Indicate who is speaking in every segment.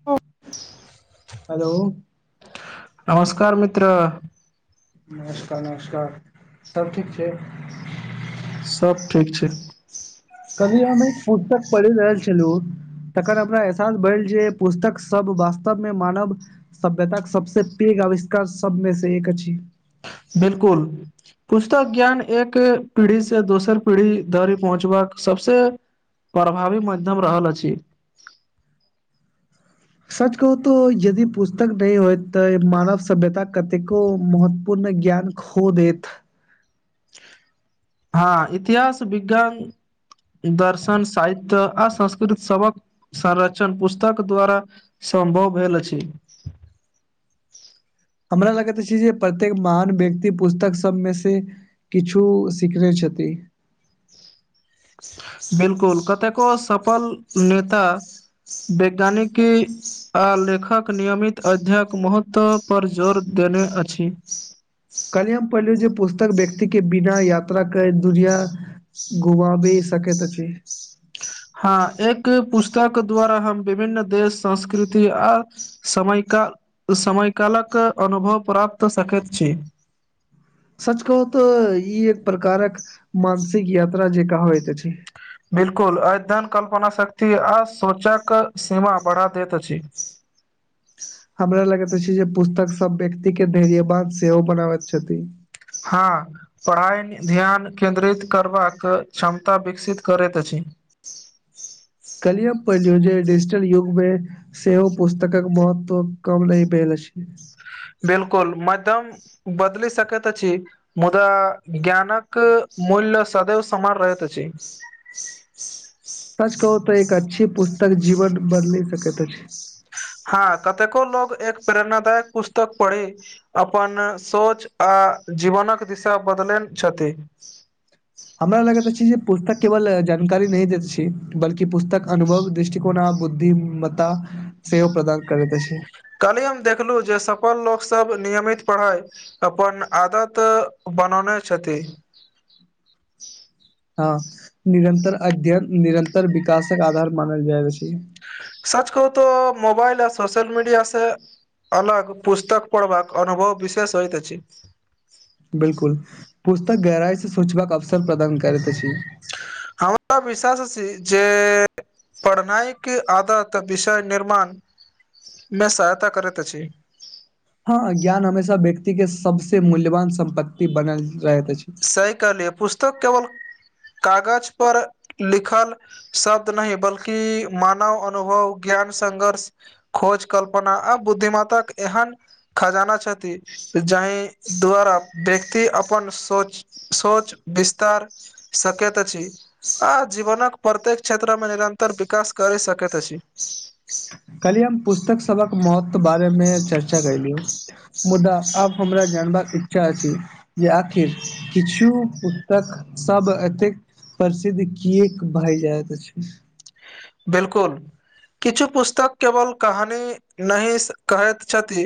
Speaker 1: Of [unintelligible]
Speaker 2: hello
Speaker 1: नमस्कार मित्र
Speaker 2: नमस्कार नमस्कार सब ठीक छै
Speaker 1: सब ठीक छै
Speaker 2: कभी हम एक पुतक पढ़ि रहल छलु तकर हमरा एहसास भेल जे पुस्तक सब वास्तव मे मानब सभ्यता के सबसे पैघ आविष्कार सब मे से एक अछि
Speaker 1: बिलकुल पुस्तक ज्ञान एक पीढ़ी से दोसर पीढ़ी धरि पहुँचबाक सबसे परभावी मध्यम रहल अछि
Speaker 2: सच कहू तो यदि पुस्तक नहि होयतऽ मानव सभ्यता कतेको मोत पूर्ण ज्ञान खो देैत
Speaker 1: हँ इतिहास विज्ञान दर्शन सायित्य आ संस्कृत सबक सरचन पुस्तक द्वारा सम्भव भेल अछि
Speaker 2: हमरा लगैत छै जे प्रत्येक महान व्यक्ति पुस्तक सबमे से किछु सिखने छथि
Speaker 1: बिलकुल कतेको सफल नेता वैज्ञानिकी आ लेखक नियमित अध्यय महत्व पर जोर देने अछि
Speaker 2: कहलिय हम पढ़लेयो जे पुस्तक व्यक्ति के बिना यात्रा करे दुनिया गुआ भी सककेत छी
Speaker 1: हँ एक पुस्तक द्वारा हम विभिन्न देश संस्कृति आ समय का समय कालक अनुभव प्राप्त सकैत छी
Speaker 2: सच कहू तऽ ई एक प्रकारक मानसिक यात्रा जे कहवइत छै
Speaker 1: बिलकुल अध्ययन कल्पना शक्ति आ सोचक समा पढ़ा देैत छै
Speaker 2: हमरा लगैत अछी जे पुस्तक सब व्यक्ति के धैर्य बान सेहो बनाबैत छथि
Speaker 1: हँ पढ़ाइ ध्यान केन्द्रित करबाक क्षमता विकसित करैत अछि
Speaker 2: कलिय हम पढ़ैलियो जे डीजिटल युग मे से ओ पुस्तकक महत्व कम नहि पेल अछि
Speaker 1: बिलकुल मध्म बदली सकैत अछि मुदा ज्ञानक मूल्य सदैव समर रहैत अछि
Speaker 2: [inaudible] [inaudible] सच कहू तऽ एक अच्छी पुस्तक जीवन बदलि सकैत अछि
Speaker 1: हँ कतेको लोक एक प्रेरणादाय पुस्तक पढ़ै अपन सोच आ जीवनक दिशा बदलेन छथि
Speaker 2: हमरा लगैत अछी जे पुस्तक केवल जानकारी नहि देैत छी बल्किुल पुस्तक अनुभव दृष्टिकोणा आ बुद्धि मता सेवो प्रदान करैत छै
Speaker 1: कलिय हम देखलहुँ जे सफल लोकसभ नियमित पढ़ै अपन आदत बनौने छथि
Speaker 2: हँ निरन्तर अध्ययन निरन्तर विकासक आधार मानल जाए अछि
Speaker 1: सच कहु तऽ मोबाल आ सोशल मीडियास से अलग पुस्तक पढ़बाक अनुभव विशेष होइत अछि
Speaker 2: बिलकुल पुस्तक गहराई से सोचबाक अवसर प्रदान करैत अछि
Speaker 1: हमरा विश्वास छी जे [unintelligible] पढ़नाइ के आदत विषय निर्माण मे सहायता करैत अछि
Speaker 2: हँ ज्ञान हमेशा व्यक्ति के सबसे मूल्यवान सम्पत्ति बनल रहैत अछि
Speaker 1: सही कहलियै पुस्तक केवल कागज पर लिखल। शब्द नहि बल्कि मानव अनुभव ज्ञान संघर्ष खोज कल्पना आ बुद्धिमताक एहन खजाना छथि जाहि द्वारा व्यक्ति अपन सोच सोच विस्तार सकत छी आ जीवनक प्रत्येक क्षेत्र मे निरन्तर विकास कर सकैत अछि
Speaker 2: कली हम पुस्तक सबक महत्व बारे मे चर्चा करली ह मुदा आब हमरा जानबाक इच्छा अछि जे आखिर किछु पुस्तक सब एतेक प्रसिद्ध किएक भए जाइत छै
Speaker 1: बिलकुल किछु पुस्तक केवल कहानी नहि कहैत छथि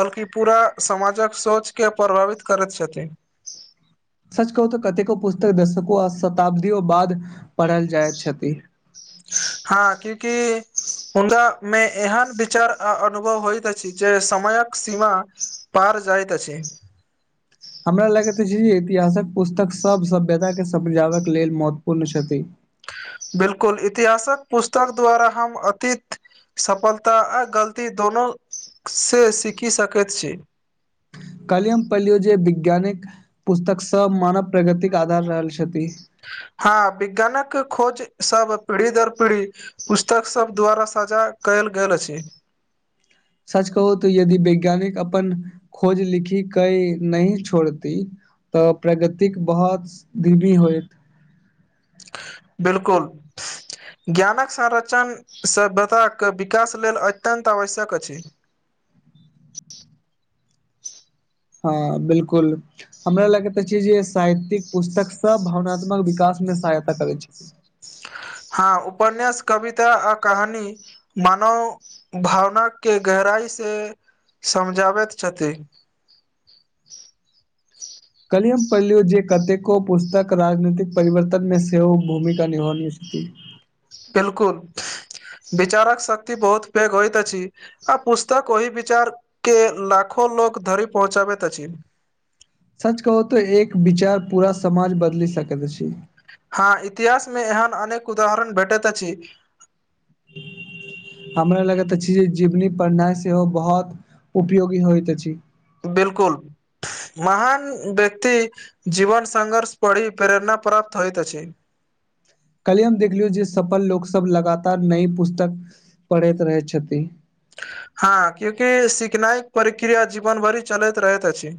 Speaker 1: बल्कि पूरा समाजक सोच के प्रभावित करैत छथिन
Speaker 2: सच कहू तऽ कतेको पुस्तक दशको आ शताब्दियो बाद पढ़ल जाइत छथि
Speaker 1: हँ क्यूकि हुनका मे एहन विचार आ अनुभव होइत अछि जे समयक सीमा पार जाइततस
Speaker 2: हमरा लगैत अछि जे इतिहासक पुस्तक सभ सभ्यता के समझाबय लेल महत्वपूर्ण छथि
Speaker 1: बिलकुल इतिहासक पुस्तक द्वारा हम अतीत सफलता आ गलती दुनू से सीखि सकैत छी
Speaker 2: कलियम पढिलियो जे वैज्ञानिक पुस्तक सब मानव प्रगतिक के आधार रहल छथि
Speaker 1: हँ विज्ञानक खोज सब पीढ़ी दर पीढ़ी पुस्तक सब द्वारा साझा कयल गेल अछि
Speaker 2: सच कहो त यदि वैज्ञानिक अपन खोज लिखी कई नहि छोड़ती तऽ प्रगति के बहुत धीमी होइत
Speaker 1: बिलकुल ज्ञानक संरचण सभ्यताक विकास लेल अत्यन्त आवश्यक अछि
Speaker 2: हँ बिलकुल हमरा लगे त छै जे साहित्यिक पुस्तक सब भावनात्मक विकास मे सहायता करै छै
Speaker 1: हँ उपन्यास कविता आ कहानी मानव भावना के गहराई से समझाबैत छथिन
Speaker 2: कलियम पढ़लियो जे कतेको पुस्तक राजनीतिक परिवर्तन मे सेहो भूमिका निभानी छथि
Speaker 1: बिलकुल विचारक शक्ति बहुत पैघ होइत अछि आ पुस्तक ओहि विचार केँ लाखो लोक धरी पहुँचाबे तच
Speaker 2: सच कहो त एक विचार पूरा समाज बदल सक छै
Speaker 1: हँ इतिहास मे एहन अनेक उदाहरण भेटैत अछि
Speaker 2: [inaudible] हमरा लगैत अछि जे जीवनी पढ़नाइ सेहो बहुत उपयोगी होइत अछि
Speaker 1: बिलकुल महान व्यक्ति जीवन संघर्ष पढ़ी प्रेरणा प्राप्त होइतइत अछि
Speaker 2: कलिये हम देखलियो जे सफल लोक सब लगातार नय पुस्तक पढ़ैत रहे छथि
Speaker 1: हँ क्यूंकि सिखनाइक प्रक्रिया जीवन भरि चलैत रहैत अछि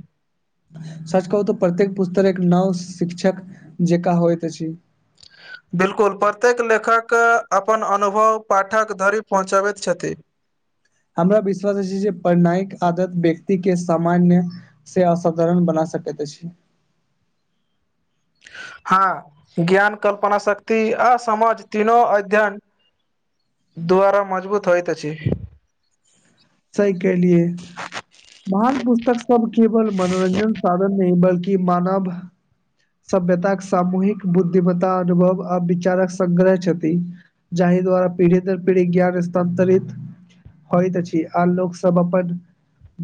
Speaker 2: सच कहू तऽ प्रत्येक पुस्तक एक नव शिक्षक जेका होइ त छी
Speaker 1: बिलकुल प्रत्येक लेखक अपन अनुभव पाठक धरि पहुँचबैत छथि
Speaker 2: हमरा विश्वास अछि जे पढनाइक आदत व्यक्ति केँ सामान्य से असाधारण बना सकैत छै
Speaker 1: हँ ज्ञान कल्पना शक्ति आ समाज तीनो अध्ययन द्वारा मजबूत होइत छै
Speaker 2: सही कहलाए महान पुस्तक सभ केवल मनोरंजन साधन नहि बल्कि मानव सभ्यताक, सामूहिक, बुद्धिम्ता, अनुभव आ विचारक संगग्रह छथि। जाहि द्वारा पीढ़ी दर पीढ़ी ज्ञान स्थान्तरित। होइत छी आर लोक सभ अपन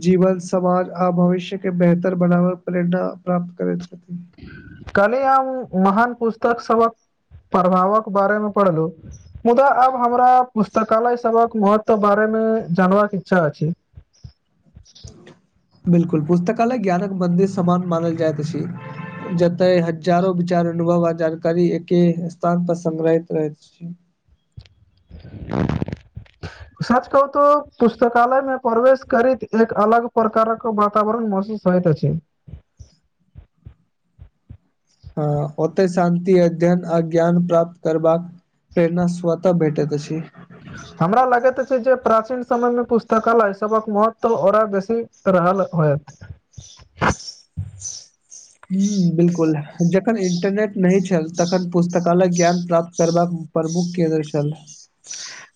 Speaker 2: जीवन समाज आ भविष्यके बेहतर बनाबे प्रेरणा प्राप्त करै छथिन।
Speaker 1: कले हम महान पुस्तक सभक प्रभावक बारेमे पढ़लहु। मुदा आब हमरा पुस्तकालय सभक महत्व बारेमे जानबाक इच्छा अछि।
Speaker 2: बिल्कुल, पुस्तकालय ज्ञानक मन्दिर समान मानल जाइत अछि। जते हजारो विचार अनुभव आ जानकारी एके स्थान पर संग्रहित रहत। [inaudible] [inaudible]
Speaker 1: सच कहु तो पुस्तकालयमे प्रवेश करैत एक अलग प्रकार के वातावरण महसूस होइत अछि।
Speaker 2: हँ, ओतय शान्ति अध्ययन आ ज्ञान प्राप्त करबाकऽ प्रेरणा स्वत भेटै अछि
Speaker 1: हमरा लागैत छै। जे प्राचीन समयमे पुस्तकालय सभक महत्व औकरा बेसी त रहल होयत
Speaker 2: हा, बिल्कूल जखन इंटरनेट नहि छल तखन पुस्तकालय ज्ञान प्राप्त करबाकऽ प्रभुखके दशल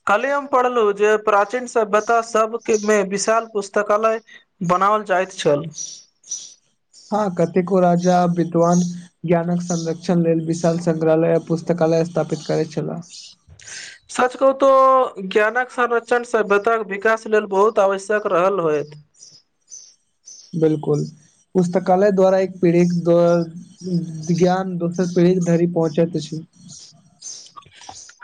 Speaker 1: कलिय हम पढ़लहु जे प्राचीन सभ्यता सभमे विशाल पुस्तकालय। बनावल चाहैत छल
Speaker 2: हँ, कतेको राजा विद्वान। ज्ञानक संरक्षण लेल विशाल, संगग्रहालय आ पुस्तकालय, स्थापित करैत छला। [inaudible]
Speaker 1: सच कहु तो ज्ञानक संरक्षण सभ्यताक विकास लेल बहुत आवश्यक रहल होइत।
Speaker 2: बिल्कूल, पुस्तकालय द्वारा एक पीढ़ी द ज्ञान दोसर पीढ़ी धरि पहुँचाे छै।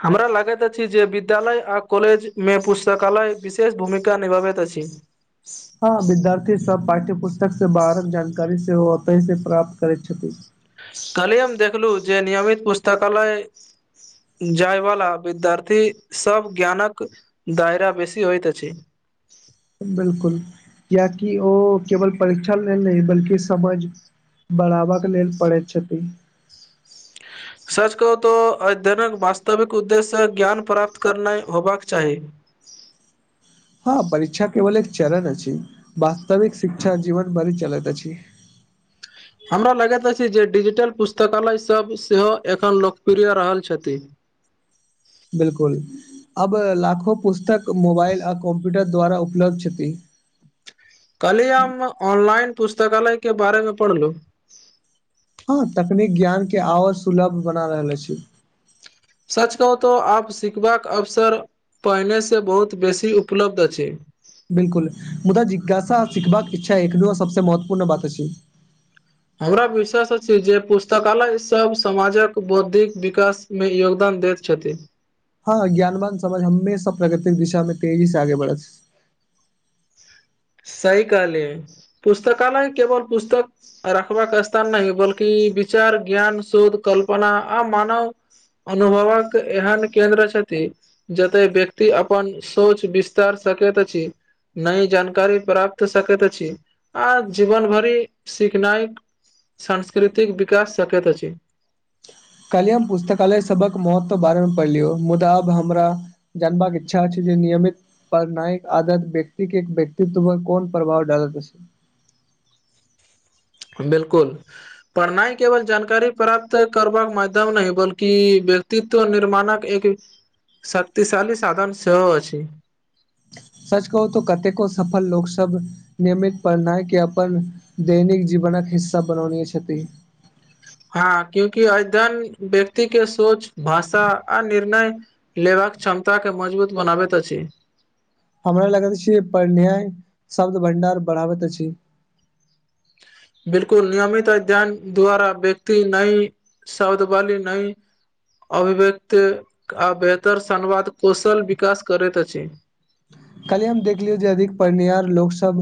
Speaker 1: हमरा लागैत अछि जे विद्यालय आ कॉलेजमे पुस्तकालय विशेष भूमिका निभाबैत अछि।
Speaker 2: हँ, विद्यार्थी सभ पाठ्य पुस्तकसे बारत जानकारी सेहो ओतहि से प्राप्त करैत छथिन।
Speaker 1: कहलियी हम देखलहु जे नियमित पुस्तकालय जाय वालला विद्यार्थी सभ ज्ञानक दायरा बेसी होइत अछि।
Speaker 2: बिल्कूल कियाकि ओ केवल परीक्षा लेल नहि बल्कि समझ। बढ़ाबऽ के लेल पड़ैत छथिन
Speaker 1: सच कहू तो अध्ययन वास्तविक उद्देश्यसँ ज्ञान प्राप्त करना होबाक चाही।
Speaker 2: हँ, परीक्षा केवल एक चरण अछि। वास्तविक शिक्षा जीवन भरि चलैत अछि।
Speaker 1: हमरा लगैत अछि। जे डिजिटल पुस्तकालय सभ सेहो एखन लोकप्रिय रहल छथि।
Speaker 2: बिल्कूल, अब लाखो पुस्तक मोबाइल आ कम्प्यूटर द्वारा उपलब्ध छथि।
Speaker 1: कल्हि हम ऑनलाइन पुस्तकालयके बारेमे पढ़लहुँ।
Speaker 2: हँ, तकनीक ज्ञानके आवर सुलभ बना रहले छी।
Speaker 1: सच कहू तऽ आप सिखबाक अवसर पहिनेसँ बहुत बेसी उपलब्ध अछि।
Speaker 2: बिल्कूल मुदा जिज्ञासा सिखबाक इच्छा एक दू सभसँ महत्वपूर्ण बात अछि
Speaker 1: हमरा विश्वास अछि जे पुस्तकालय सभ समाजक बौद्धिक विकास। मे योगदान दैत छथिन।
Speaker 2: हँ, ज्ञानवान समाज हमेशा प्रगृतिक दिशामे तेजी से आगे बढ़त
Speaker 1: सही कहले पुस्तकालय केवल पुस्तक रखबाक रस्ता नहि बल्कि विचार ज्ञान शोध कल्पना आ मानव अनुभवक एहन केन्द्र छथि। जते व्यक्ति अपन सोच विस्तार सकैत अछि नहि जान करि प्राप्त सकैत छी आ जीवन भरी सीखनाइ। सांस्कृतिक विकास सकैत अछि।
Speaker 2: काल्हिए हम पुस्तकालय सभक महत्व बारेमे पढ़लियौ मुदा आब हमरा जानबाक इच्छा छै जे नियमित पर नइक आदत व्यक्ति के व्यक्तित्व पर कोन प्रभाव डालके छै
Speaker 1: बिलकुल पढ़नाइ केवल जानकारी प्राप्त करब माध्यम नहि बल्कि व्यक्तित्व निर्माणक एक शक्तिशाली साधन सेहो अछि
Speaker 2: सच कहू त कतेको सफल लोक सब नियमित पढ़नाइ के अपन दैनिक जीवनक हिस्सा बनौने छथिन
Speaker 1: हँ क्यूंकि अध्ययन व्यक्ति के सोच भाषा आ निर्णय लेबाक क्षमताके मजबूत बनाबैत अछि
Speaker 2: हमरा लगत छी पढ़नेयाय शब्द भंडार बढ़ाबैत अछि
Speaker 1: बिलकुल नियमित अध्ययन द्वारा व्यक्ति नई शब्दवली नै अभिव्यक्त आ बेहतर संवाद कौशल विकास करैत अछि
Speaker 2: कहलियै हम देखलियौ जे अधिक पड़निहार लोकसभ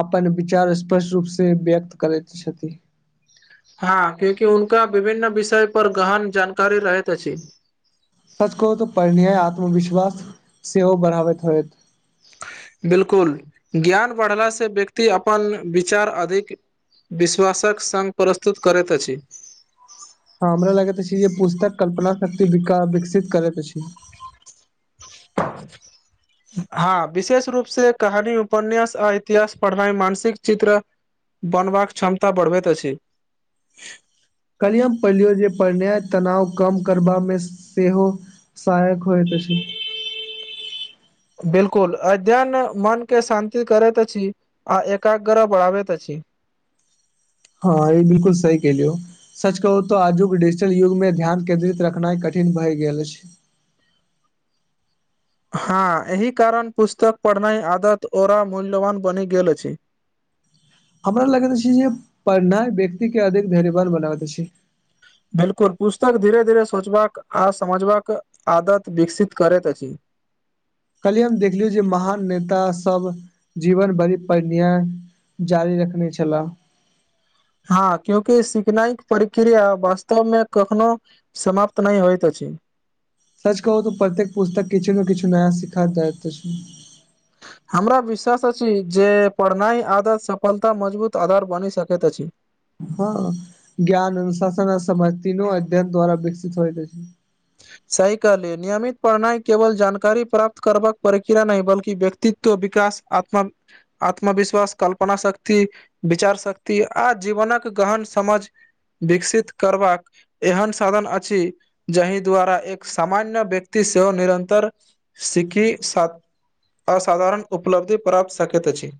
Speaker 2: अपन विचार स्पष्ट रूप से व्यक्त करैत छथि
Speaker 1: हँ क्यूंकि हुनका विभिन्न विषय पर गहन जानकारी रहैत अछि
Speaker 2: सचकोहु तऽ पढ़नेया आत्मविश्वास सेहो बढ़ाबैत होयत
Speaker 1: बिलकुल ज्ञान बढ़ला से व्यक्ति अपन विचार अधिक विश्वासक संघ प्रस्तुत करैत अछि
Speaker 2: हँ हमरा लगैत अछि जे पुस्तक कल्पना शक्ति विका् विकसित करैत अछि
Speaker 1: [inaudible] हँ विशेष रूप से कहानी उपन्यास आ इतिहास पढ़नाइ मानसिक चित्र बनबाक क्षमता बढ़बैत अछि
Speaker 2: कहलियम पढ़लियौ जे प्रणय तनाव कम करबामे सेहो सहायक होइ अछि
Speaker 1: बिल्कुल अध्ययन मनके शान्ति करैत अछि आ एकाग्रह बढ़ाबैत अछि
Speaker 2: हँ ई बिल्कुल सही केहलियौ सच कहू तऽ आजुक डिजिटल युग मे ध्यान केन्द्रित रखनाइ कठिन भए गेल अछि
Speaker 1: हँ एहि कारण पुस्तक पढ़नाइ आदत ओरा मूल्यवान बनि गेल अछि
Speaker 2: हमरा लगत अछि जे पढ़नाइ व्यक्ति के अधिक धैर्यवान बनाबैत अछि
Speaker 1: बिलकुल पुस्तक धीरे धीरे सोचबाक आ समझबाक आदत विकसित करैत अछि
Speaker 2: कहलिये हम देखलिय जे महान नेता सब जीवन बड़ी पढ़णिया जारी रखने छलाऽह
Speaker 1: हँ क्यूंकि सिखनाइक प्रक्रिया वास्तवमे कखनो समाप्त नहि होइत अछि
Speaker 2: सच कहू तऽ प्रत्येक पुस्तक किछु ने किछु नया सिखा दैत अछि
Speaker 1: हमरा विश्वास अछि जे पढ़नाइ आदत सफलता मजबूत आधार बनि सकैत अछि
Speaker 2: हँ ज्ञान अनुशासन आ समय तीनों अध्ययन द्वारा विकसित होइत अछि
Speaker 1: सही कहलियै नियमित पढ़नाई केवल जानकारी प्राप्त करबक प्रक्रिया नहि बल्कि व्यक तित्व विकाश आत्मन आत्मविश्वास कल्पना शक्ति विचार शक्ति आ जीवनक गहन समझ विकसित करबाक एहन साधन अछि जहि द्वारा एक सामान्य व्यक्ति सेहो निरन्तर सिखी सक् असाधारण उपलब्धि प्राप सकैत अछि